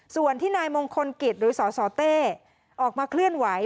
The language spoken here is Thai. ส่วนที่นายมงคลกิจหรือสสเต้ออกมาเคลื่อนไหว